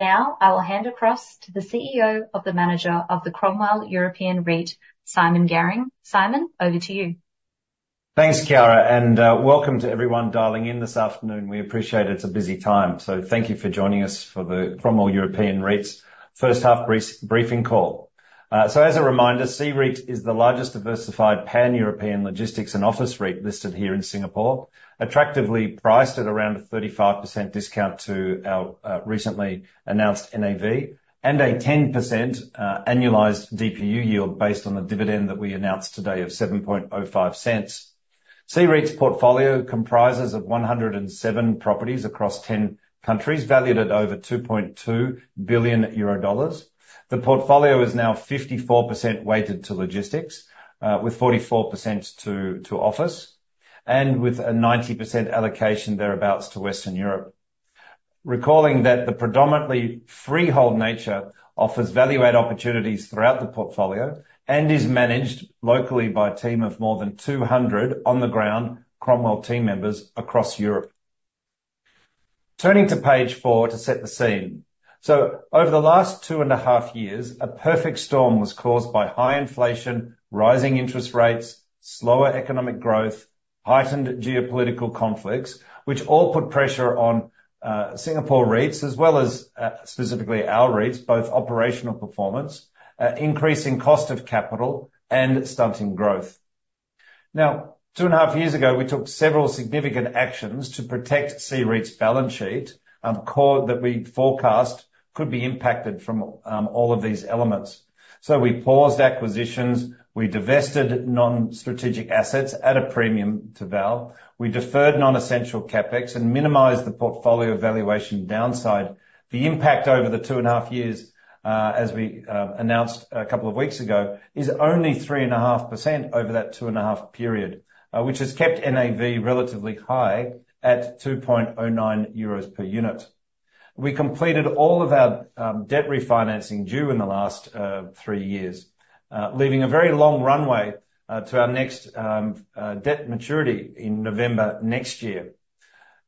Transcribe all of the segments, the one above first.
Now, I will hand across to the CEO of the manager of the Cromwell European REIT, Simon Garing. Simon, over to you. Thanks, Kiara, and welcome to everyone dialing in this afternoon. We appreciate it's a busy time, so thank you for joining us for the Cromwell European REIT's first half briefing call. So, as a reminder, CEREIT is the largest diversified Pan-European logistics and office REIT listed here in Singapore, attractively priced at around a 35% discount to our recently announced NAV, and a 10% annualized DPU yield, based on the dividend that we announced today of 0.0705. CEREIT's portfolio comprises of 107 properties across 10 countries, valued at over EUR 2.2 billion. The portfolio is now 54% weighted to logistics, with 44% to office, and with a 90% allocation, thereabouts, to Western Europe. Recalling that the predominantly freehold nature offers value-add opportunities throughout the portfolio and is managed locally by a team of more than 200 on-the-ground Cromwell team members across Europe. Turning to page 4 to set the scene. So, over the last 2.5 years, a perfect storm was caused by high inflation, rising interest rates, slower economic growth, heightened geopolitical conflicts, which all put pressure on Singapore REITs, as well as specifically our REITs, both operational performances, increasing cost of capital and stunting growth. Now, 2.5 years ago, we took several significant actions to protect CEREIT's balance sheet that we forecast could be impacted from all of these elements. So, we paused acquisitions, we divested non-strategic assets at a premium to valuation, we deferred non-essential CapEx and minimized the portfolio valuation downside. The impact over the two and a half years, as we announced a couple of weeks ago, is only 3.5% over that two and a half period, which has kept NAV relatively high at 2.09 euros per unit. We completed all of our debt refinancing due in the last three years, leaving a very long runway to our next debt maturity in November next year.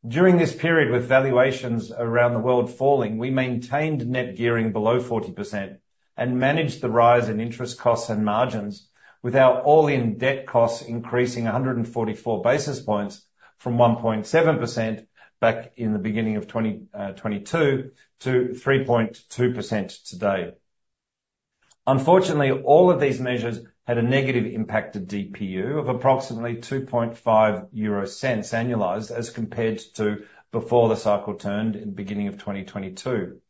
During this period, with valuations around the world falling, we maintained net gearing below 40% and managed the rise in interest costs and margins, with our all-in debt costs increasing 144 basis points from 1.7% back in the beginning of 2022 to 3.2% today. Unfortunately, all of these measures had a negative impact to DPU of approximately 0.025 annualized, as compared to before the cycle turned in beginning of 2022.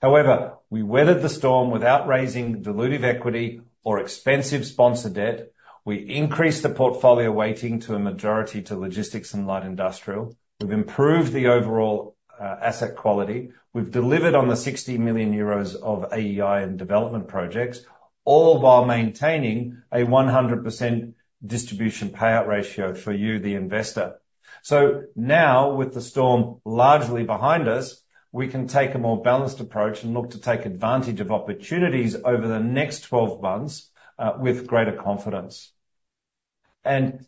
However, we weathered the storm without raising dilutive equity or expensive sponsor debt. We increased the portfolio weighting to a majority to logistics and light industrial. We've improved the overall asset quality. We've delivered on the 60 million euros of AEI and development projects, all while maintaining a 100% distribution payout ratio for you, the investor. So now, with the storm largely behind us, we can take a more balanced approach and look to take advantage of opportunities over the next 12 months with greater confidence.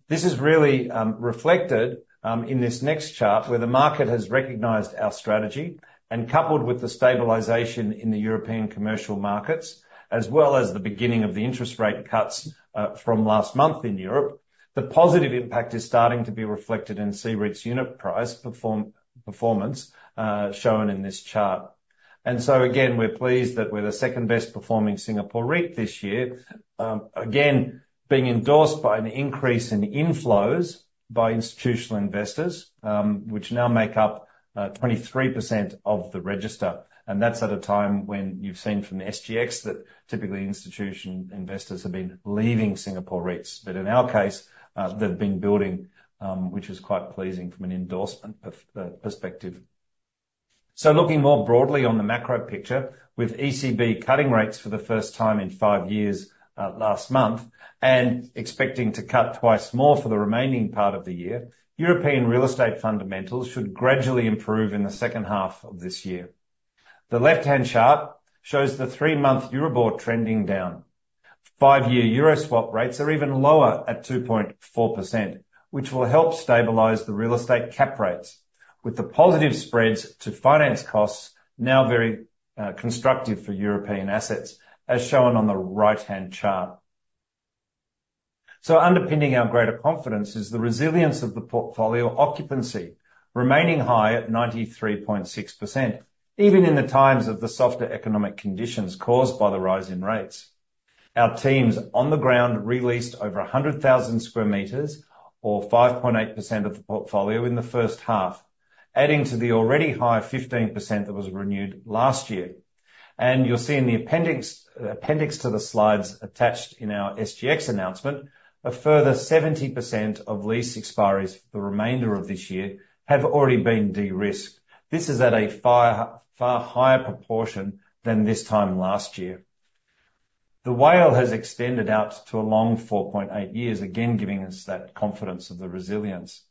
This is really reflected in this next chart, where the market has recognized our strategy, and coupled with the stabilization in the European commercial markets, as well as the beginning of the interest rate cuts from last month in Europe, the positive impact is starting to be reflected in CEREIT's unit price performance shown in this chart. So again, we're pleased that we're the second-best performing Singapore REIT this year. Again, being endorsed by an increase in inflows by institutional investors, which now make up 23% of the register, and that's at a time when you've seen from the SGX that typically, institutional investors have been leaving Singapore REITs. But in our case, they've been building, which is quite pleasing from an endorsement perspective. So, looking more broadly on the macro picture, with ECB cutting rates for the first time in 5 years last month, and expecting to cut twice more for the remaining part of the year, European real estate fundamentals should gradually improve in the second half of this year. The left-hand chart shows the three-month Euribor trending down. 5-year euro swap rates are even lower at 2.4%, which will help stabilize the real estate cap rates, with the positive spreads to finance costs now very constructive for European assets, as shown on the right-hand chart. So, underpinning our greater confidence is the resilience of the portfolio occupancy, remaining high at 93.6%, even in the times of the softer economic conditions caused by the rise in rates. Our teams on the ground re-leased over 100,000 square meters or 5.8% of the portfolio in the first half, adding to the already high 15% that was renewed last year. You'll see in the appendix, appendix to the slides attached in our SGX announcement, a further 70% of lease expiries for the remainder of this year have already been de-risked. This is at a far, far higher proportion than this time last year. The WALE has extended out to a long 4.8 years, again, giving us that confidence of the resilience.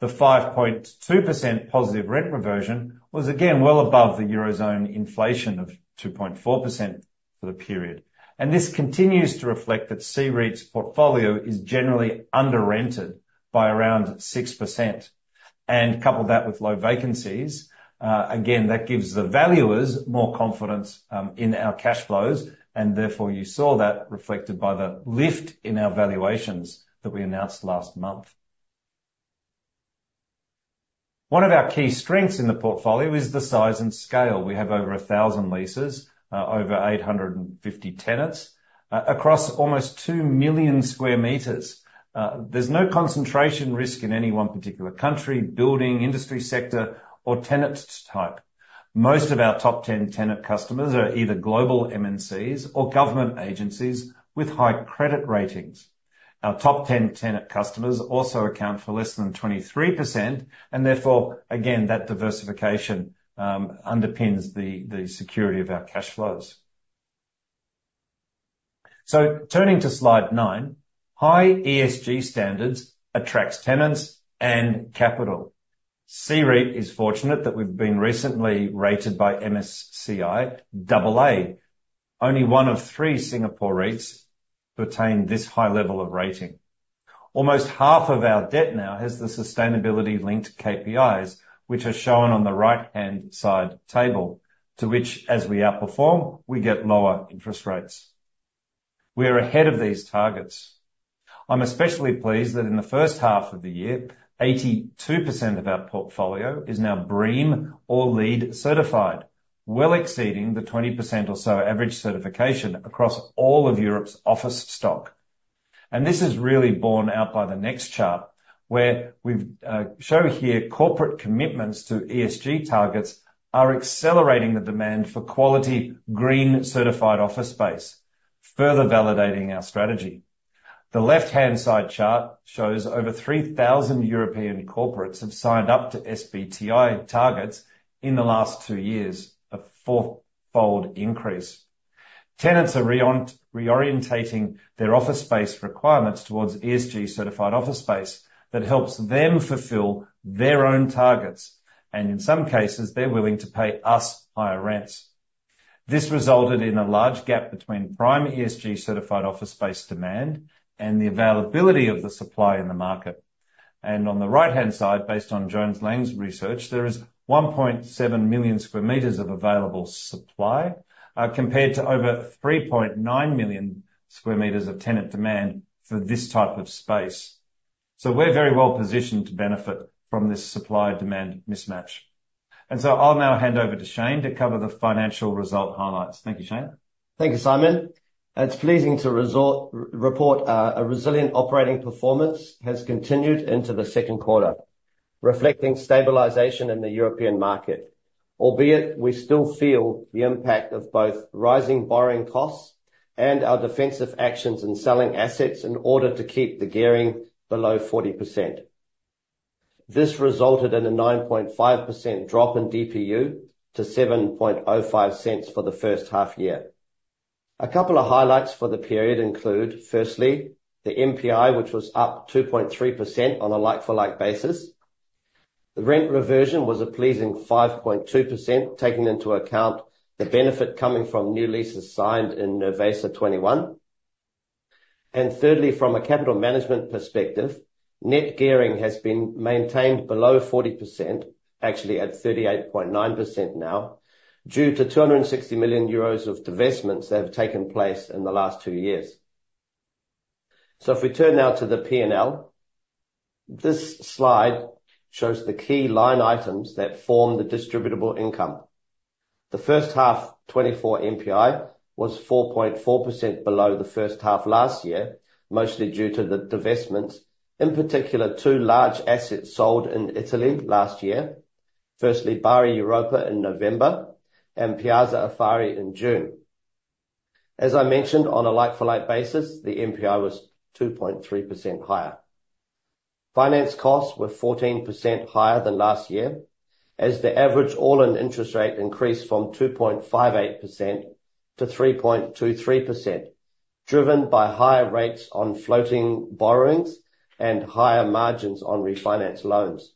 The 5.2% positive rent reversion was again well above the Eurozone inflation of 2.4% for the period, and this continues to reflect that CEREIT's portfolio is generally under-rented by around 6%. Couple that with low vacancies, again, that gives the valuers more confidence in our cash flows, and therefore, you saw that reflected by the lift in our valuations that we announced last month. One of our key strengths in the portfolio is the size and scale. We have over 1,000 leases, over 850 tenants, across almost 2 million square meters. There's no concentration risk in any one particular country, building, industry sector, or tenant type. Most of our top ten tenant customers are either global MNCs or government agencies with high credit ratings. Our top ten tenant customers also account for less than 23%, and therefore, again, that diversification underpins the security of our cash flows. Turning to slide nine, high ESG standards attracts tenants and capital. CEREIT is fortunate that we've been recently rated by MSCI AA. Only one of three Singapore REITs have attained this high level of rating. Almost half of our debt now has the sustainability-linked KPIs, which are shown on the right-hand side table, to which, as we outperform, we get lower interest rates. We are ahead of these targets. I'm especially pleased that in the first half of the year, 82% of our portfolio is now BREEAM or LEED certified, well exceeding the 20% or so average certification across all of Europe's office stock. And this is really borne out by the next chart, where we've shown here corporate commitments to ESG targets are accelerating the demand for quality, green, certified office space, further validating our strategy. The left-hand side chart shows over 3,000 European corporates have signed up to SBTi targets in the last two years, a fourfold increase. Tenants are reorienting their office space requirements towards ESG-certified office space, that helps them fulfill their own targets, and in some cases, they're willing to pay us higher rents. This resulted in a large gap between prime ESG-certified office space demand and the availability of the supply in the market. On the right-hand side, based on JLL's research, there is 1.7 million square meters of available supply compared to over 3.9 million square meters of tenant demand for this type of space. We're very well positioned to benefit from this supply-demand mismatch. I'll now hand over to Shane to cover the financial result highlights. Thank you, Shane. Thank you, Simon. It's pleasing to report a resilient operating performance has continued into the second quarter, reflecting stabilization in the European market, albeit we still feel the impact of both rising borrowing costs and our defensive actions in selling assets in order to keep the gearing below 40%. This resulted in a 9.5% drop in DPU to 0.0705 for the first half year. A couple of highlights for the period include, firstly, the NPI, which was up 2.3% on a like-for-like basis. The rent reversion was a pleasing 5.2%, taking into account the benefit coming from new leases signed in Nervesa 21. Thirdly, from a capital management perspective, net gearing has been maintained below 40%, actually at 38.9% now, due to 260 million euros of divestments that have taken place in the last two years. So, if we turn now to the P&L, this slide shows the key line items that form the distributable income. The first half 2024 NPI was 4.4% below the first half last year, mostly due to the divestments, in particular, two large assets sold in Italy last year. Firstly, Bari Europa in November and Piazza Affari in June. As I mentioned, on a like-for-like basis, the NPI was 2.3% higher. Finance costs were 14% higher than last year, as the average all-in interest rate increased from 2.58% to 3.23%, driven by higher rates on floating borrowings and higher margins on refinance loans.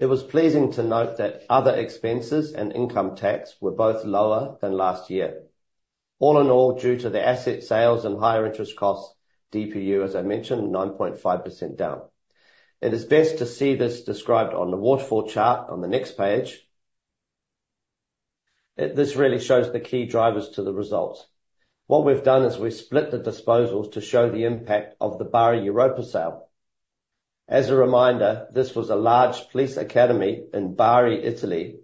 It was pleasing to note that other expenses and income tax were both lower than last year. All in all, due to the asset sales and higher interest costs, DPU, as I mentioned, 9.5% down. It is best to see this described on the waterfall chart on the next page. This really shows the key drivers to the results. What we've done is we've split the disposals to show the impact of the Bari Europa sale. As a reminder, this was a large police academy in Bari, Italy,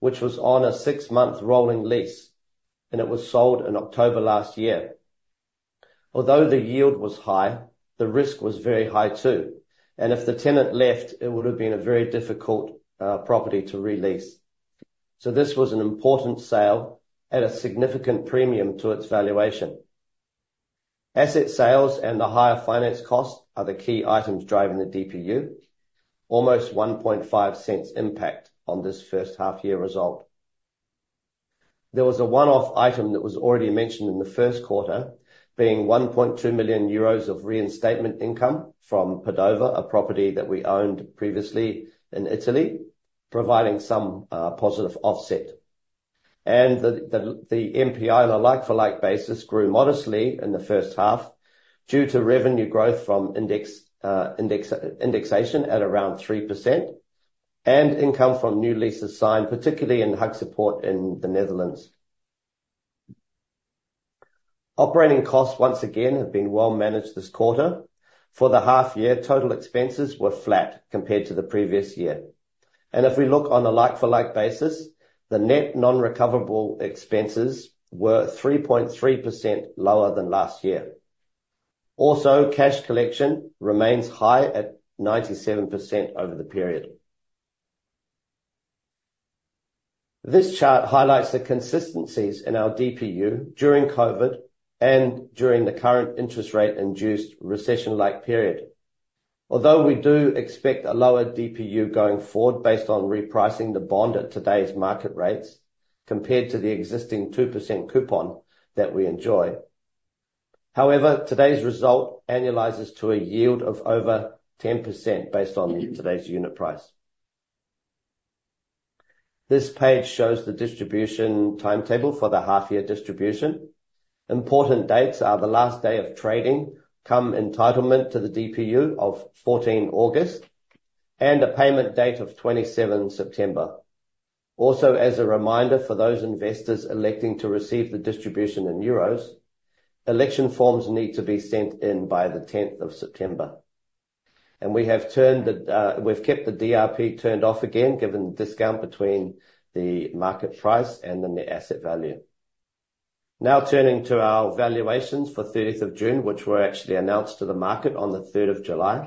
which was on a six-month rolling lease, and it was sold in October last year. Although the yield was high, the risk was very high, too, and if the tenant left, it would have been a very difficult property to re-lease. So, this was an important sale at a significant premium to its valuation. Asset sales and the higher finance costs are the key items driving the DPU, almost 0.015 impact on this first half year result. There was a one-off item that was already mentioned in the first quarter, being 1.2 million euros of reinstatement income from Padova, a property that we owned previously in Italy, providing some positive offset. The NPI on a like-for-like basis grew modestly in the first half, due to revenue growth from indexation at around 3%, and income from new leases signed, particularly in Haagse Poort in the Netherlands. Operating costs, once again, have been well managed this quarter. For the half year, total expenses were flat compared to the previous year. If we look on a like-for-like basis, the net non-recoverable expenses were 3.3% lower than last year. Also, cash collection remains high at 97% over the period. This chart highlights the consistencies in our DPU during COVID and during the current interest rate-induced recession-like period. Although we do expect a lower DPU going forward based on repricing the bond at today's market rates, compared to the existing 2% coupon that we enjoy. However, today's result annualizes to a yield of over 10% based on today's unit price. This page shows the distribution timetable for the half year distribution. Important dates are the last day of trading, cum entitlement to the DPU of 14th August, and a payment date of 27th September. Also, as a reminder, for those investors electing to receive the distribution in euros, election forms need to be sent in by the 10th of September. We've kept the DRP turned off again, given the discount between the market price and the net asset value. Now, turning to our valuations for 30th of June, which were actually announced to the market on the 3rd of July.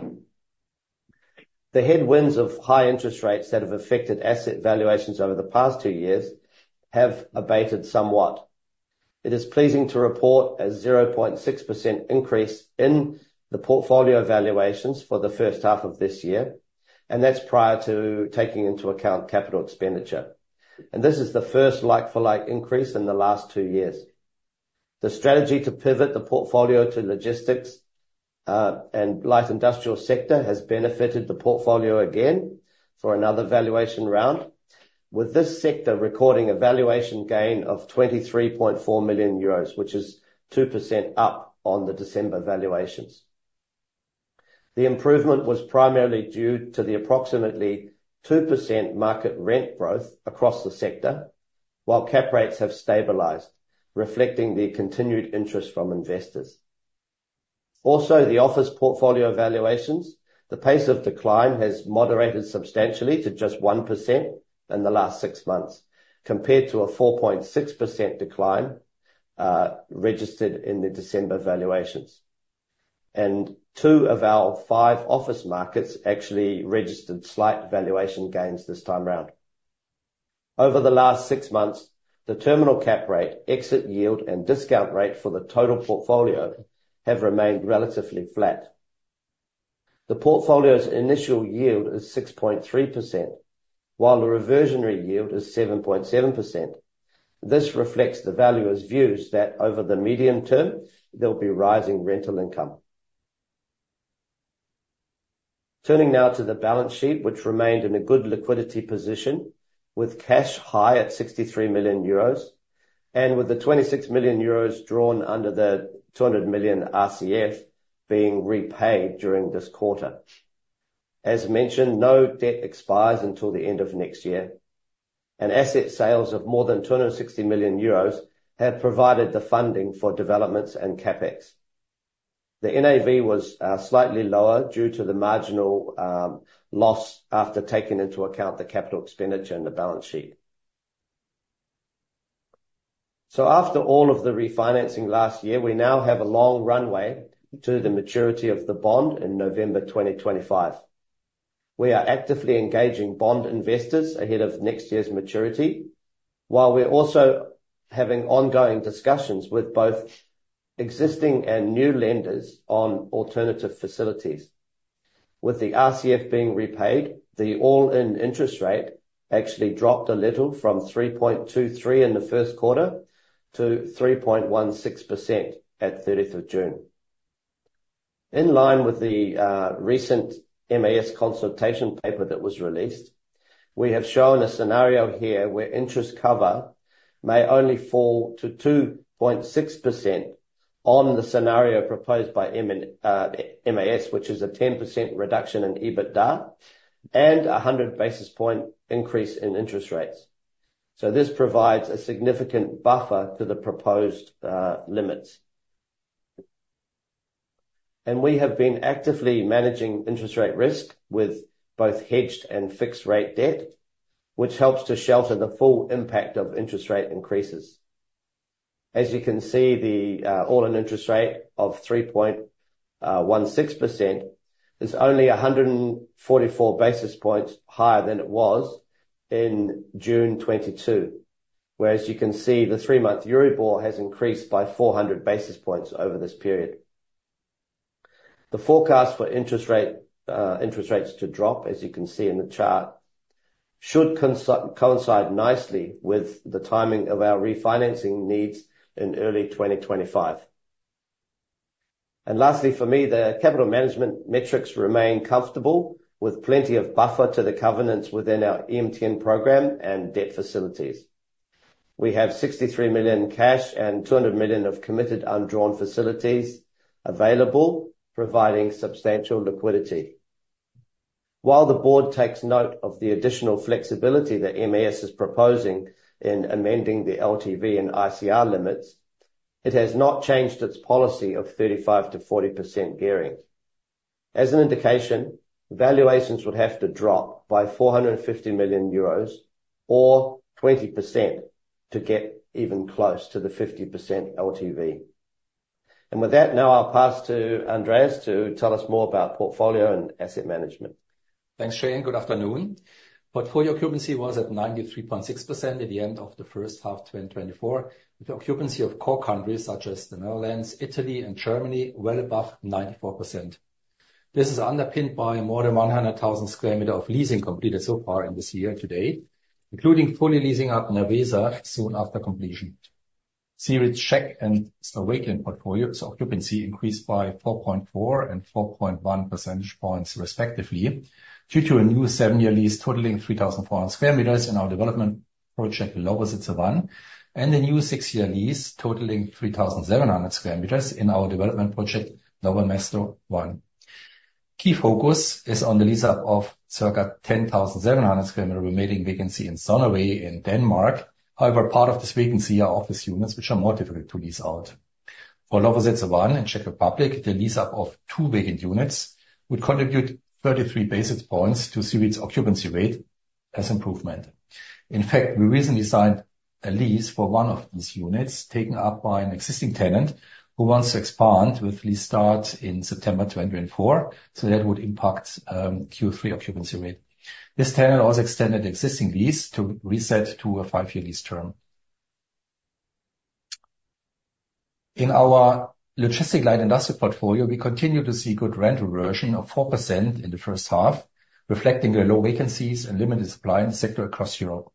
The headwinds of high interest rates that have affected asset valuations over the past 2 years have abated somewhat. It is pleasing to report a 0.6% increase in the portfolio valuations for the first half of this year, and that's prior to taking into account capital expenditure. This is the first like-for-like increase in the last 2 years. The strategy to pivot the portfolio to logistics and light industrial sector has benefited the portfolio again for another valuation round. With this sector recording a valuation gain of 23.4 million euros, which is 2% up on the December valuations. The improvement was primarily due to the approximately 2% market rent growth across the sector, while cap rates have stabilized, reflecting the continued interest from investors. Also, the office portfolio valuations, the pace of decline has moderated substantially to just 1% in the last 6 months, compared to a 4.6% decline registered in the December valuations. Two of our 5 office markets actually registered slight valuation gains this time around. Over the last 6 months, the terminal cap rate, exit yield, and discount rate for the total portfolio, have remained relatively flat. The portfolio's initial yield is 6.3%, while the reversionary yield is 7.7%. This reflects the valuer's views that over the medium term, there'll be rising rental income. Turning now to the balance sheet, which remained in a good liquidity position, with cash high at 63 million euros, and with the 26 million euros drawn under the 200 million RCF being repaid during this quarter. As mentioned, no debt expires until the end of next year, and asset sales of more than 260 million euros have provided the funding for developments and CapEx. The NAV was slightly lower due to the marginal loss, after taking into account the capital expenditure and the balance sheet. So after all of the refinancing last year, we now have a long runway to the maturity of the bond in November 2025. We are actively engaging bond investors ahead of next year's maturity, while we're also having ongoing discussions with both existing and new lenders on alternative facilities. With the RCF being repaid, the all-in interest rate actually dropped a little from 3.23 in the first quarter to 3.16% at 30th of June. In line with the recent MAS consultation paper that was released, we have shown a scenario here where interest cover may only fall to 2.6% on the scenario proposed by MAS, which is a 10% reduction in EBITDA and a 100 basis point increase in interest rates. So this provides a significant buffer to the proposed limits. We have been actively managing interest rate risk with both hedged and fixed rate debt, which helps to shelter the full impact of interest rate increases. As you can see, the all-in interest rate of 3.16% is only 144 basis points higher than it was in June 2022. Whereas you can see, the three-month Euribor has increased by 400 basis points over this period. The forecast for interest rates to drop, as you can see in the chart, should coincide nicely with the timing of our refinancing needs in early 2025. Lastly for me, the capital management metrics remain comfortable, with plenty of buffer to the covenants within our EMTN program and debt facilities. We have 63 million in cash and 200 million of committed undrawn facilities available, providing substantial liquidity. While the board takes note of the additional flexibility that MAS is proposing in amending the LTV and ICR limits, it has not changed its policy of 35%-40% gearing. As an indication, valuations would have to drop by 450 million euros or 20% to get even close to the 50% LTV. With that, now I'll pass to Andreas to tell us more about portfolio and asset management. Thanks, Shane. Good afternoon. Portfolio occupancy was at 93.6% at the end of the first half, 2024, with occupancy of core countries such as the Netherlands, Italy and Germany, well above 94%. This is underpinned by more than 100,000 square meters of leasing completed so far in this year to date, including fully leasing out Nervesa soon after completion of the Czech and Slovakian portfolio. So occupancy increased by 4.4 and 4.1 percentage points, respectively, due to a new 7-year lease totaling 3,400 square meters in our development project, Lovosice 1, and a new 6-year lease totaling 3,700 square meters in our development project, Nové Mesto 1. Key focus is on the lease up of circa 10,700 square meters remaining vacancy in Sognevej in Denmark. However, part of this vacancy are office units, which are more difficult to lease out. For Lovosice 1 in Czech Republic, the lease up of two vacant units would contribute 33 basis points to CEREIT's occupancy rate as improvement. In fact, we recently signed a lease for one of these units, taken up by an existing tenant who wants to expand with lease start in September 2024, so that would impact Q3 occupancy rate. This tenant also extended existing lease to reset to a five-year lease term. In our logistics light industrial portfolio, we continue to see good rental reversion of 4% in the first half, reflecting the low vacancies and limited supply in the sector across Europe.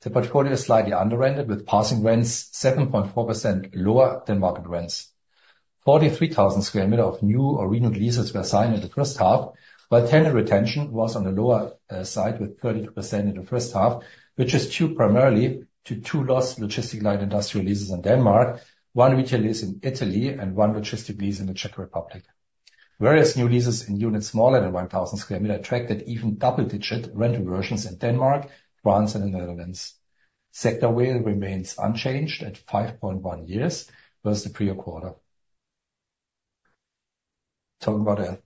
The portfolio is slightly under-rented, with passing rents 7.4% lower than market rents. 43,000 square meters of new or renewed leases were signed in the first half, while tenant retention was on the lower side with 32% in the first half, which is due primarily to two lost logistics and industrial leases in Denmark, one retail lease in Italy, and one logistics lease in the Czech Republic. Various new leases in units smaller than 1,000 square meters attracted even double-digit rental reversions in Denmark, France, and the Netherlands. Sector WALE remains unchanged at 5.1 years versus the prior quarter. Talking about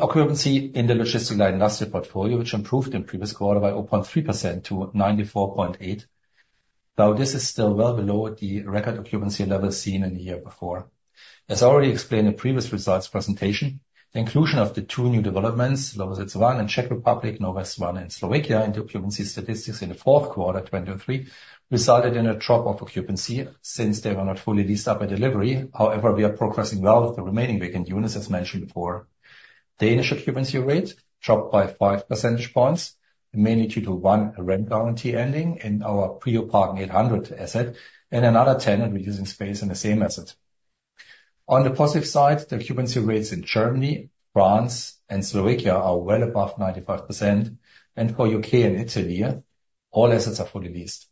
occupancy in the logistics and industrial portfolio, which improved in previous quarter by 0.3% to 94.8%, though this is still well below the record occupancy level seen in the year before. As I already explained in previous results presentation, the inclusion of the two new developments, Lovosice 1 in Czech Republic, Nové Mesto 1 in Slovakia, into occupancy statistics in the fourth quarter 2023, resulted in a drop of occupancy since they were not fully leased up at delivery. However, we are progressing well with the remaining vacant units, as mentioned before. The initial occupancy rate dropped by 5 percentage points, mainly due to one, a rent guarantee ending in our Priorparken 800 asset and another tenant reducing space in the same asset. On the positive side, the occupancy rates in Germany, France, and Slovakia are well above 95%, and for UK and Italy, all assets are fully leased.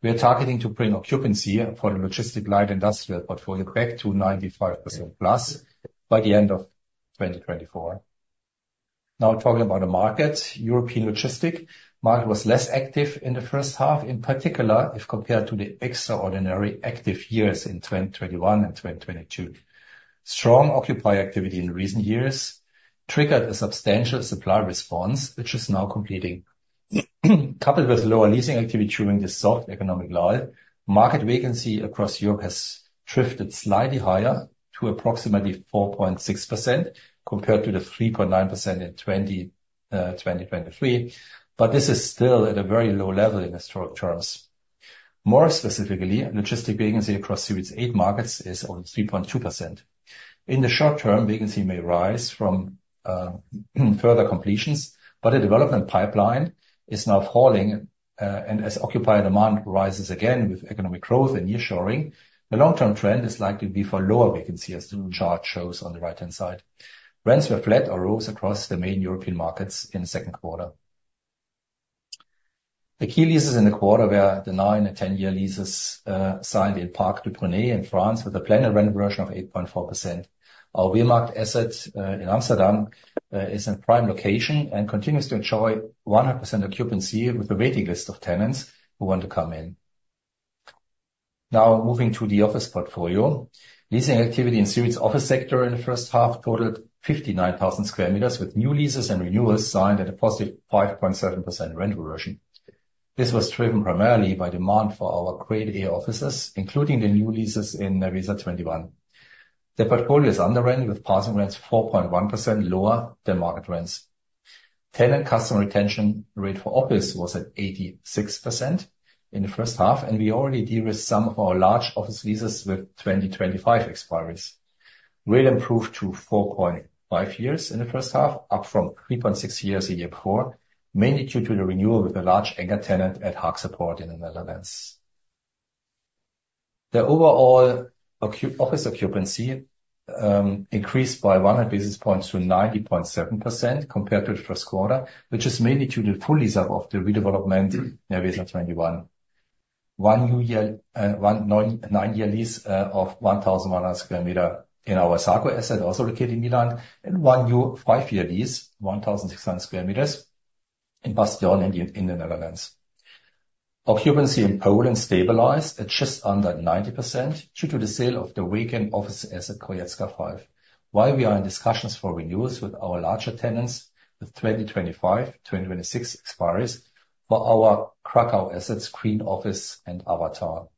We are targeting to bring occupancy for the logistic light industrial portfolio back to 95%+ by the end of 2024. Now talking about the market. European logistics market was less active in the first half, in particular, if compared to the extraordinarily active years in 2021 and 2022. Strong occupier activity in recent years triggered a substantial supply response, which is now completing. Coupled with lower leasing activity during this soft economic low, market vacancy across Europe has drifted slightly higher to approximately 4.6%, compared to the 3.9% in 2023. But this is still at a very low level in historic terms. More specifically, logistics vacancy across CEREIT's eight markets is only 3.2%. In the short term, vacancy may rise from further completions, but the development pipeline is now falling, and as occupier demand rises again with economic growth and nearshoring, the long-term trend is likely to be for lower vacancy, as the chart shows on the right-hand side. Rents were flat or rose across the main European markets in the second quarter. The key leases in the quarter were the nine- and ten-year leases signed in Parc du Ponant in France, with a planned rent version of 8.4%. Our De Veemarkt asset in Amsterdam is in prime location and continues to enjoy 100% occupancy with a waiting list of tenants who want to come in. Now, moving to the office portfolio. Leasing activity in CEREIT's office sector in the first half totaled 59,000 square meters, with new leases and renewals signed at a positive 5.7% rental version. This was driven primarily by demand for our grade A offices, including the new leases in Nervesa 21. The portfolio is under rent, with passing rents 4.1% lower than market rents. Tenant customer retention rate for office was at 86% in the first half, and we already deal with some of our large office leases with 2025 expiries. Rate improved to 4.5 years in the first half, up from 3.6 years a year before, mainly due to the renewal with a large anchor tenant at Haagse Poort in the Netherlands. The overall office occupancy increased by 100 basis points to 90.7% compared to the first quarter, which is mainly to the full lease-up of the redevelopment Nervesa 21. One new 9-year lease of 1,100 square meters in our Assago asset, also located in Milan, and one new 5-year lease, 1,600 square meters in Bastion in the Netherlands. Occupancy in Poland stabilized at just under 90% due to the sale of the Warsaw office asset, Grójecka 5. While we are in discussions for renewals with our larger tenants, with 2025, 2026 expiries for our Krakow assets, Green Office and Avatar.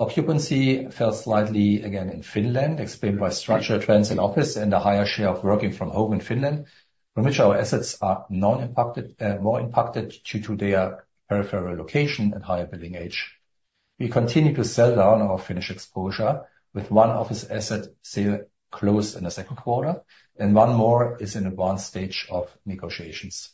Occupancy fell slightly again in Finland, explained by structural trends in office and a higher share of working from home in Finland, from which our assets are non-impacted, more impacted due to their peripheral location and higher building age. We continue to sell down our Finnish exposure with one office asset sale closed in the second quarter, and one more is in advanced stage of negotiations.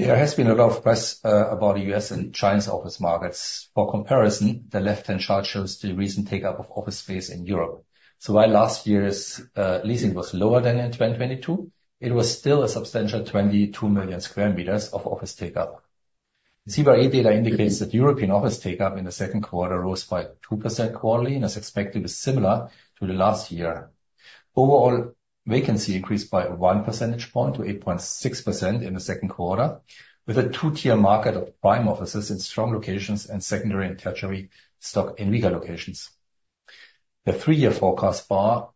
There has been a lot of press about the U.S. and China's office markets. For comparison, the left-hand chart shows the recent take-up of office space in Europe. So while last year's leasing was lower than in 2022, it was still a substantial 22 million square meters of office take-up. The CBRE data indicates that European office take-up in the second quarter rose by 2% quarterly, and as expected, was similar to the last year. Overall, vacancy increased by one percentage point to 8.6% in the second quarter, with a two-tier market of prime offices in strong locations and secondary and tertiary stock in weaker locations. The 3-year forecast bar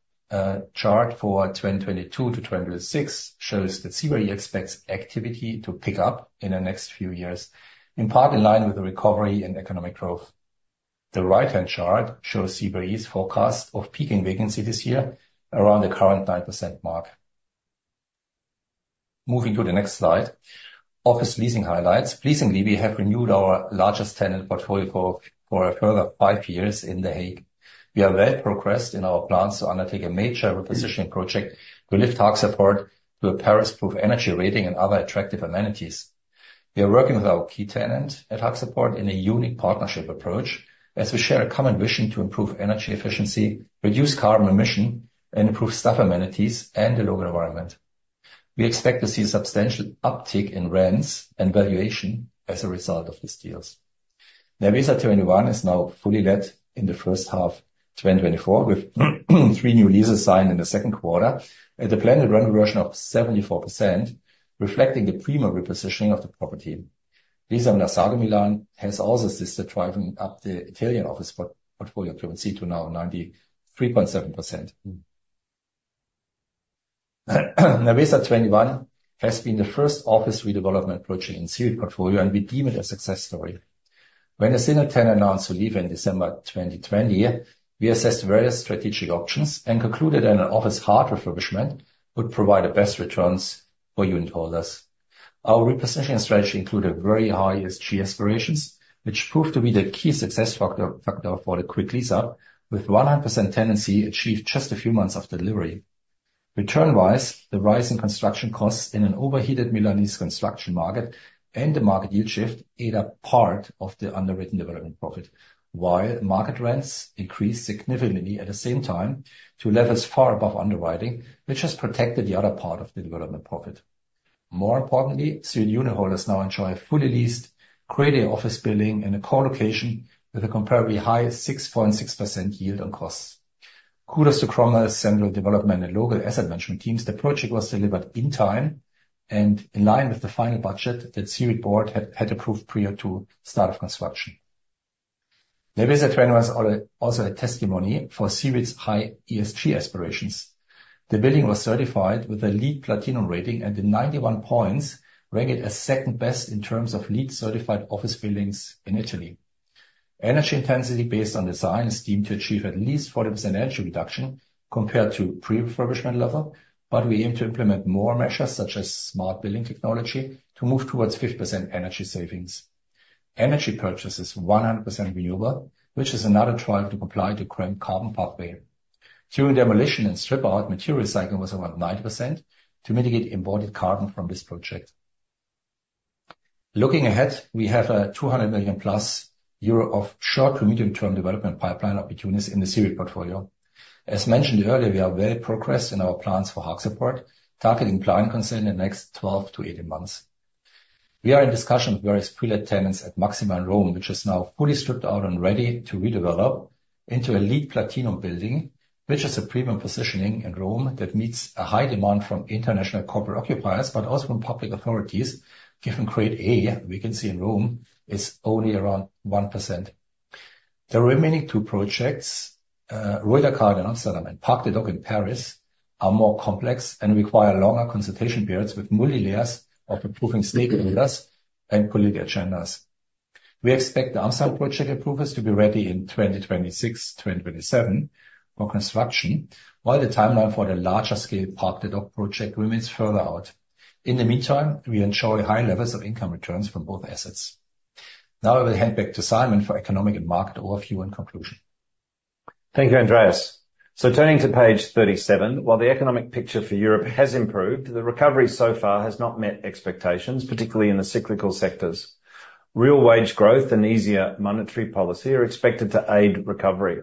chart for 2022 to 2026 shows that CBRE expects activity to pick up in the next few years, in part in line with the recovery and economic growth. The right-hand chart shows CBRE's forecast of peaking vacancy this year around the current 9% mark. Moving to the next slide, office leasing highlights. Pleasingly, we have renewed our largest tenant portfolio for a further five years in The Hague. We are well progressed in our plans to undertake a major repositioning project to lift Haagse Poort to a Paris-proof energy rating and other attractive amenities. We are working with our key tenant at Haagse Poort in a unique partnership approach, as we share a common vision to improve energy efficiency, reduce carbon emission, and improve staff amenities and the local environment. We expect to see a substantial uptick in rents and valuation as a result of these deals. Nervesa 21 is now fully let in the first half 2024, with three new leases signed in the second quarter at a planned rental version of 74%, reflecting the premium repositioning of the property. Nervesa Milan has also assisted driving up the Italian office portfolio occupancy to now 93.7%. Nervesa 21 has been the first office redevelopment project in CEREIT portfolio, and we deem it a success story. When a senior tenant announced to leave in December 2020, we assessed various strategic options and concluded that an office hard refurbishment would provide the best returns for unitholders. Our repositioning strategy included very high ESG aspirations, which proved to be the key success factor for the quick lease-up, with 100% tenancy achieved just a few months after delivery. Return-wise, the rise in construction costs in an overheated Milanese construction market and the market yield shift ate up part of the underwritten development profit, while market rents increased significantly at the same time to levels far above underwriting, which has protected the other part of the development profit. More importantly, CEREIT unitholders now enjoy a fully leased, creative office building in a core location with a comparably high 6.6% yield on costs. Kudos to Cromwell, central development, and local asset management teams. The project was delivered in time and in line with the final budget that CEREIT board had approved prior to start of construction. Nervesa 21 was also a testimony for CEREIT's high ESG aspirations. The building was certified with a LEED Platinum rating, and the 91 points rank it as second best in terms of LEED-certified office buildings in Italy. Energy intensity, based on design, is deemed to achieve at least 40% energy reduction compared to pre-refurbishment level, but we aim to implement more measures, such as smart building technology, to move towards 50% energy savings. Energy purchase is 100% renewable, which is another trial to comply to current carbon pathway. During demolition and strip out, material cycling was around 90% to mitigate imported carbon from this project. Looking ahead, we have 200 million euro+ of short to medium-term development pipeline opportunities in the CEREIT portfolio. As mentioned earlier, we are very progressed in our plans for Haagse Poort, targeting planning consent in the next 12-18 months. We are in discussion with various pre-let tenants at Maxima in Rome, which is now fully stripped out and ready to redevelop into a LEED Platinum building, which is a premium positioning in Rome that meets a high demand from international corporate occupiers, but also from public authorities, given Grade A vacancy in Rome is only around 1%. The remaining two projects, De Ruyterkade in Amsterdam and Parc des Docks in Paris, are more complex and require longer consultation periods with multi-layers of approving stakeholders and political agendas. We expect the Amsterdam project approvals to be ready in 2026, 2027 for construction, while the timeline for the larger scale Parc des Docks project remains further out. In the meantime, we ensure high levels of income returns from both assets. Now I will hand back to Simon for economic and market overview and conclusion. Thank you, Andreas. Turning to page 37, while the economic picture for Europe has improved, the recovery so far has not met expectations, particularly in the cyclical sectors. Real wage growth and easier monetary policy are expected to aid recovery.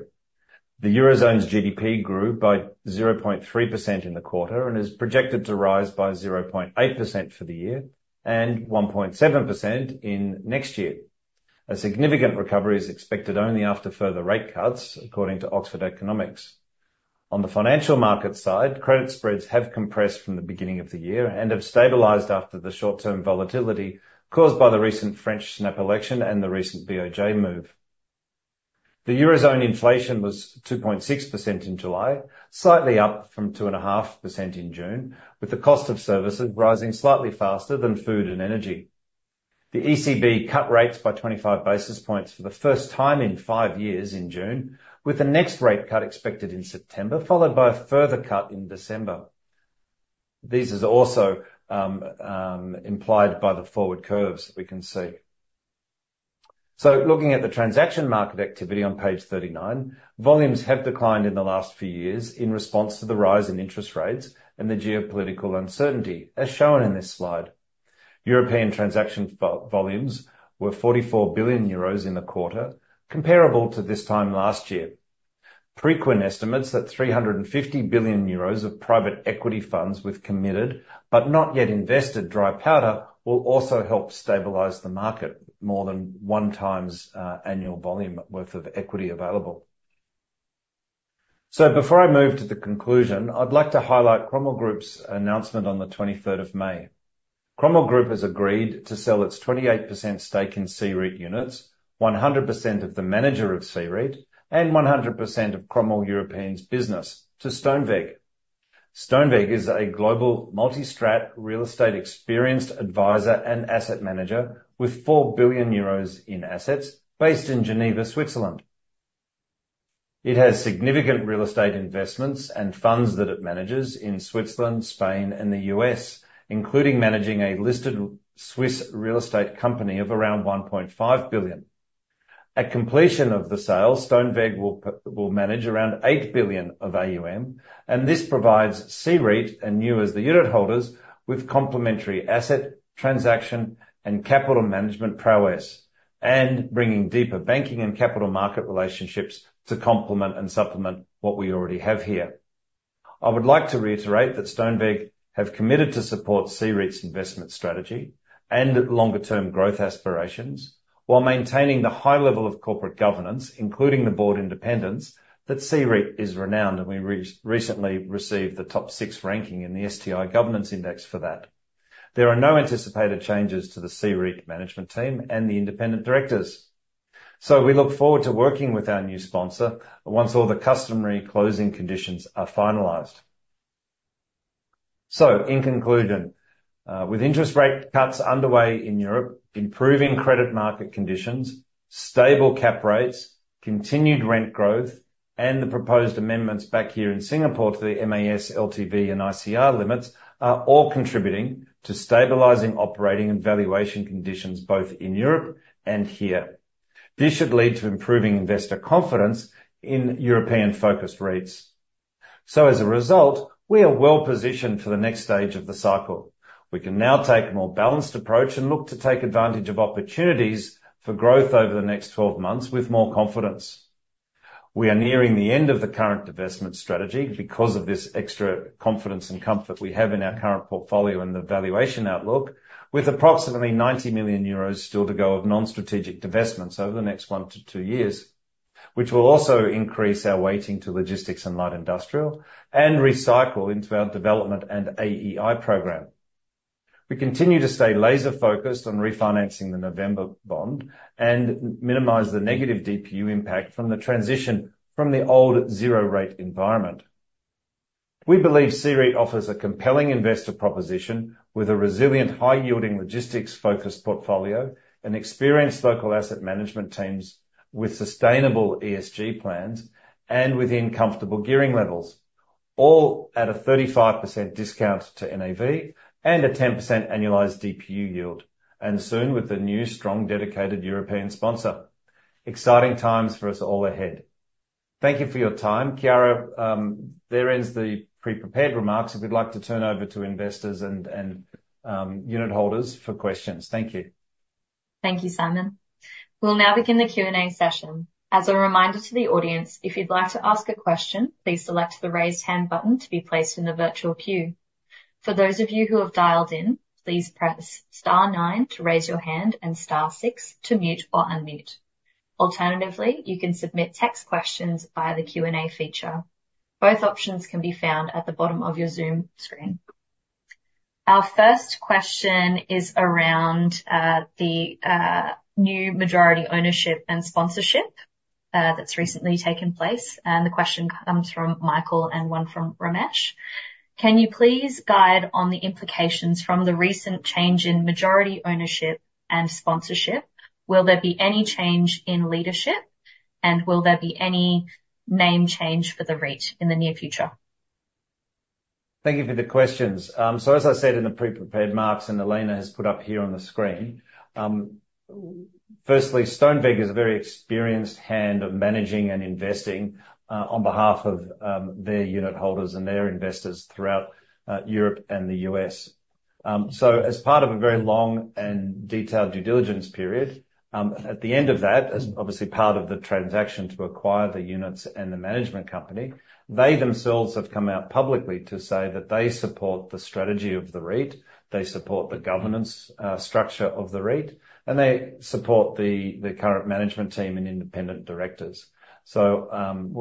The Eurozone's GDP grew by 0.3% in the quarter and is projected to rise by 0.8% for the year and 1.7% in next year. A significant recovery is expected only after further rate cuts, according to Oxford Economics. On the financial market side, credit spreads have compressed from the beginning of the year and have stabilized after the short-term volatility caused by the recent French snap election and the recent BOJ move. The Eurozone inflation was 2.6% in July, slightly up from 2.5% in June, with the cost of services rising slightly faster than food and energy. The ECB cut rates by 25 basis points for the first time in five years in June, with the next rate cut expected in September, followed by a further cut in December. This is also implied by the forward curves we can see. So, looking at the transaction market activity on page 39, volumes have declined in the last few years in response to the rise in interest rates and the geopolitical uncertainty, as shown in this slide. European transaction volumes were 44 billion euros in the quarter, comparable to this time last year. Preqin estimates that 350 billion euros of private equity funds with committed, but not yet invested, dry powder will also help stabilize the market, more than 1x annual volume worth of equity available. So, before I move to the conclusion, I'd like to highlight Cromwell Group's announcement on the twenty-third of May. Cromwell Group has agreed to sell its 28% stake in C-REIT units, 100% of the manager of C-REIT, and 100% of Cromwell European business business to Stoneweg. Stoneweg is a global multi-strat, real estate experienced advisor and asset manager with 4 billion euros in assets based in Geneva, Switzerland. It has significant real estate investments and funds that it manages in Switzerland, Spain, and the U.S., including managing a listed Swiss real estate company of around 1.5 billion. At completion of the sale, Stoneweg will manage around 8 billion of AUM, and this provides CEREIT, and you as the unitholders, with complementary asset, transaction, and capital management prowess, and bringing deeper banking and capital market relationships to complement and supplement what we already have here. I would like to reiterate that Stoneweg have committed to support CEREIT's investment strategy and longer-term growth aspirations while maintaining the high level of corporate governance, including the board independence, that CEREIT is renowned, and we recently received the top six ranking in the STI Governance Index for that. There are no anticipated changes to the CEREIT management team and the independent directors. So we look forward to working with our new sponsor once all the customary closing conditions are finalized. So in conclusion, with interest rate cuts underway in Europe, improving credit market conditions, stable cap rates, continued rent growth, and the proposed amendments back here in Singapore to the MAS, LTV, and ICR limits, are all contributing to stabilizing, operating, and valuation conditions both in Europe and here. This should lead to improving investor confidence in European-focused REITs. So as a result, we are well positioned for the next stage of the cycle. We can now take a more balanced approach and look to take advantage of opportunities for growth over the next 12 months with more confidence. We are nearing the end of the current divestment strategy because of this extra confidence and comfort we have in our current portfolio and the valuation outlook, with approximately 90 million euros still to go of non-strategic divestments over the next 1-2 years, which will also increase our weighting to logistics and light industrial and recycle into our development and AEI program. We continue to stay laser-focused on refinancing the November bond and minimize the negative DPU impact from the transition from the old zero rate environment. We believe CEREIT offers a compelling investor proposition with a resilient, high-yielding, logistics-focused portfolio and experienced local asset management teams with sustainable ESG plans and within comfortable gearing levels, all at a 35% discount to NAV and a 10% annualized DPU yield, and soon with a new, strong, dedicated European sponsor. Exciting times for us all ahead. Thank you for your time. Kiara, there ends the pre-prepared remarks. We'd like to turn over to investors and unitholders for questions. Thank you. Thank you, Simon. We'll now begin the Q&A session. As a reminder to the audience, if you'd like to ask a question, please select the Raise Hand button to be placed in the virtual queue. For those of you who have dialed in, please press star nine to raise your hand and star six to mute or unmute. Alternatively, you can submit text questions via the Q&A feature. Both options can be found at the bottom of your Zoom screen. Our first question is around, the, new majority ownership and sponsorship, that's recently taken place, and the question comes from Michael and one from Ramesh: Can you please guide on the implications from the recent change in majority ownership and sponsorship? Will there be any change in leadership, and will there be any name change for the REIT in the near future? Thank you for the questions. So as I said in the pre-prepared remarks, and Elena has put up here on the screen, firstly, Stoneweg is a very experienced hand in managing and investing, on behalf of, their unit holders and their investors throughout, Europe and the U.S. So as part of a very long and detailed due diligence period, at the end of that, as obviously part of the transaction to acquire the units and the management company, they themselves have come out publicly to say that they support the strategy of the REIT, they support the governance, structure of the REIT, and they support the current management team and independent directors. So,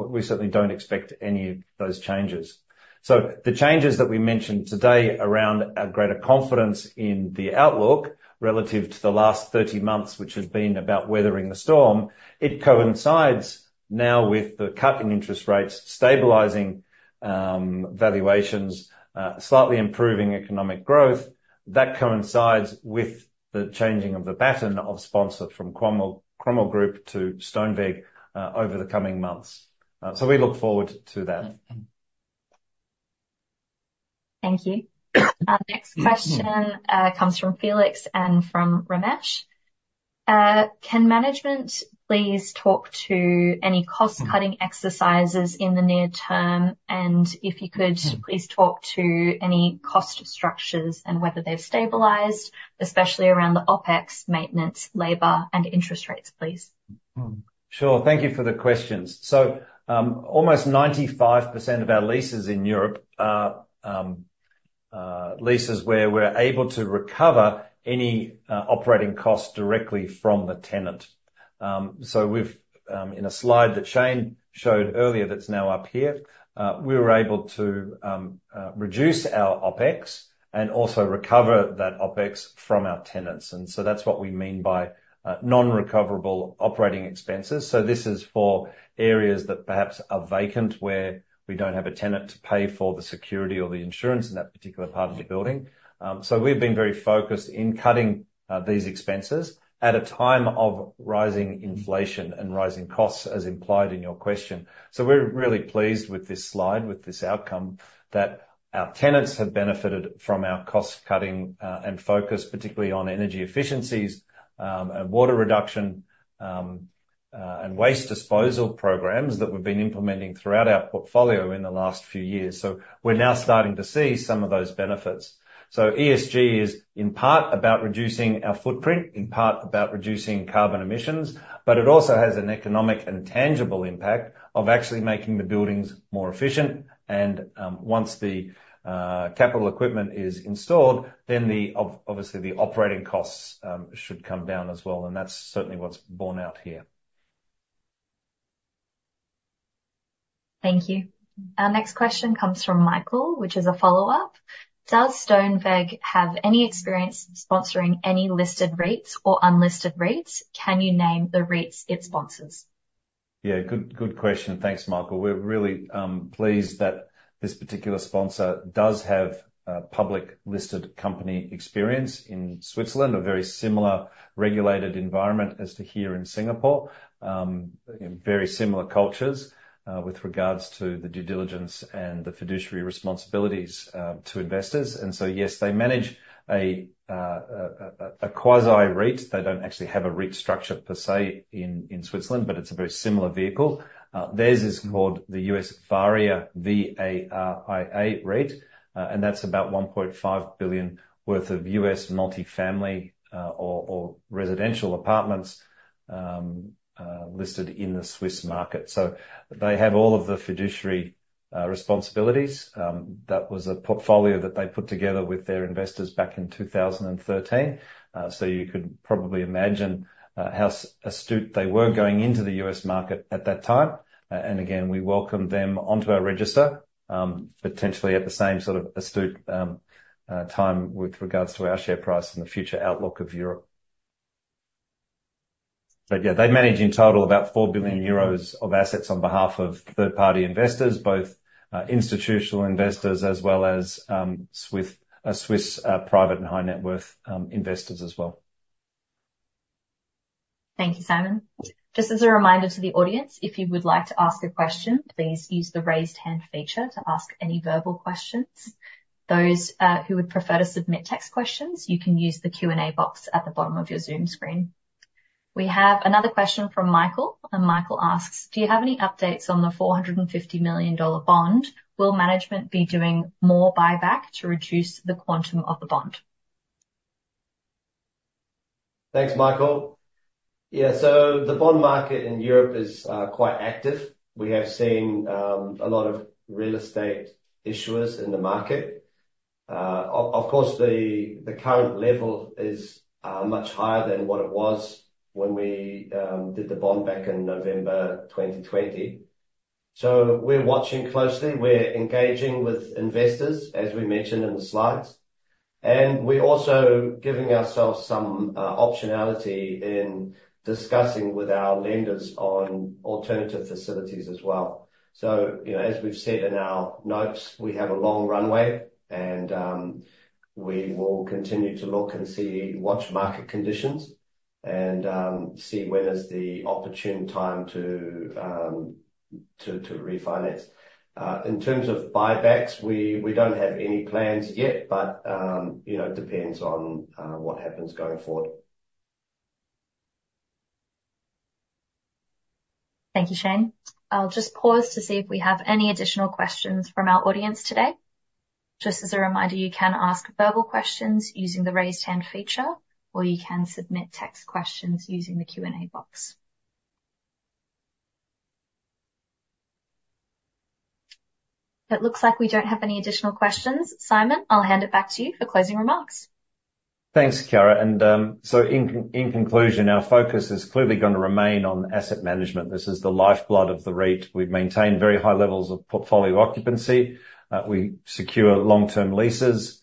we certainly don't expect any of those changes. So the changes that we mentioned today around a greater confidence in the outlook, relative to the last 30 months, which has been about weathering the storm, it coincides now with the cutting interest rates, stabilizing valuations, slightly improving economic growth. That coincides with the changing of the baton of sponsor from Cromwell, Cromwell Group to Stoneweg over the coming months. So we look forward to that. Thank you. Our next question comes from Felix and from Ramesh. Can management please talk to any cost cutting exercises in the near term? And if you could, please talk to any cost structures and whether they've stabilized, especially around the OpEx, maintenance, labor, and interest rates, please. Sure. Thank you for the questions. So, almost 95% of our leases in Europe are leases where we're able to recover any operating costs directly from the tenant. So we've. In a slide that Shane showed earlier, that's now up here, we were able to reduce our OpEx and also recover that OpEx from our tenants, and so that's what we mean by non-recoverable operating expenses. So this is for areas that perhaps are vacant, where we don't have a tenant to pay for the security or the insurance in that particular part of the building. So we've been very focused in cutting these expenses at a time of rising inflation and rising costs, as implied in your question. So we're really pleased with this slide, with this outcome, that our tenants have benefited from our cost-cutting and focus, particularly on energy efficiencies and water reduction and waste disposal programs that we've been implementing throughout our portfolio in the last few years. So we're now starting to see some of those benefits. So ESG is, in part, about reducing our footprint, in part about reducing carbon emissions, but it also has an economic and tangible impact of actually making the buildings more efficient. And, once the capital equipment is installed, then the obviously, the operating costs should come down as well, and that's certainly what's borne out here. Thank you. Our next question comes from Michael, which is a follow-up: Does Stoneweg have any experience sponsoring any listed REITs or unlisted REITs? Can you name the REITs it sponsors? Yeah, good, good question. Thanks, Michael. We're really pleased that this particular sponsor does have public-listed company experience in Switzerland, a very similar regulated environment as to here in Singapore. And very similar cultures with regards to the due diligence and the fiduciary responsibilities to investors. And so, yes, they manage a quasi REIT. They don't actually have a REIT structure per se in Switzerland, but it's a very similar vehicle. Theirs is called the Varia US, V-A-R-I-A REIT, and that's about $1.5 billion worth of US multifamily, or residential apartments listed in the Swiss market. So they have all of the fiduciary responsibilities. That was a portfolio that they put together with their investors back in 2013. So you could probably imagine how astute they were going into the U.S. market at that time. And again, we welcome them onto our register, potentially at the same sort of astute time with regards to our share price and the future outlook of Europe. But yeah, they manage, in total, about 4 billion euros of assets on behalf of third-party investors, both institutional investors as well as Swiss private and high net worth investors as well. Thank you, Simon. Just as a reminder to the audience, if you would like to ask a question, please use the Raise Hand feature to ask any verbal questions. Those who would prefer to submit text questions, you can use the Q&A box at the bottom of your Zoom screen. We have another question from Michael, and Michael asks: Do you have any updates on the $450 million bond? Will management be doing more buyback to reduce the quantum of the bond? Thanks, Michael. Yeah, so the bond market in Europe is quite active. We have seen a lot of real estate issuers in the market. Of course, the current level is much higher than what it was when we did the bond back in November 2020. So we're watching closely, we're engaging with investors, as we mentioned in the slides, and we're also giving ourselves some optionality in discussing with our lenders on alternative facilities as well. So, you know, as we've said in our notes, we have a long runway, and we will continue to look and see, watch market conditions. and see when is the opportune time to refinance. In terms of buybacks, we, we don't have any plans yet, but, you know, it depends on what happens going forward. Thank you, Shane. I'll just pause to see if we have any additional questions from our audience today. Just as a reminder, you can ask verbal questions using the Raise Hand feature, or you can submit text questions using the Q&A box. It looks like we don't have any additional questions. Simon, I'll hand it back to you for closing remarks. Thanks, Kiara, and so in conclusion, our focus is clearly gonna remain on asset management. This is the lifeblood of the REIT. We've maintained very high levels of portfolio occupancy. We secure long-term leases,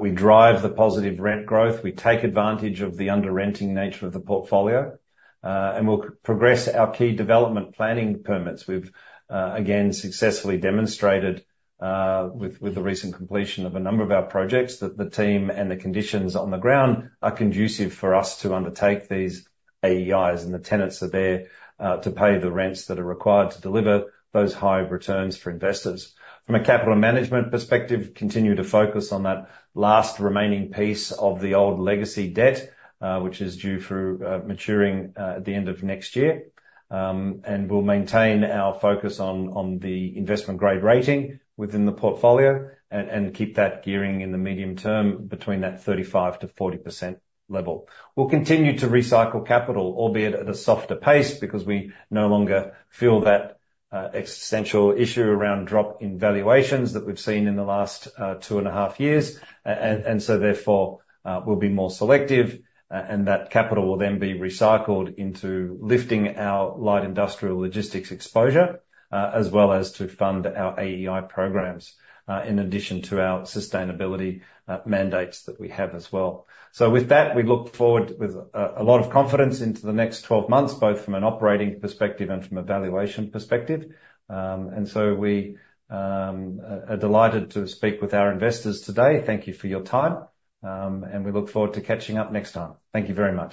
we drive the positive rent growth, we take advantage of the under-renting nature of the portfolio, and we'll progress our key development planning permits. We've again successfully demonstrated with the recent completion of a number of our projects that the team and the conditions on the ground are conducive for us to undertake these AEIs, and the tenants are there to pay the rents that are required to deliver those high returns for investors. From a capital management perspective, continue to focus on that last remaining piece of the old legacy debt, which is due for maturing at the end of next year. And we'll maintain our focus on the investment grade rating within the portfolio, and keep that gearing in the medium term between that 35%-40% level. We'll continue to recycle capital, albeit at a softer pace, because we no longer feel that existential issue around drop in valuations that we've seen in the last 2.5 years. And so therefore, we'll be more selective, and that capital will then be recycled into lifting our light industrial logistics exposure, as well as to fund our AEI programs, in addition to our sustainability mandates that we have as well. So with that, we look forward with a lot of confidence into the next 12 months, both from an operating perspective and from a valuation perspective. And so we are delighted to speak with our investors today. Thank you for your time, and we look forward to catching up next time. Thank you very much.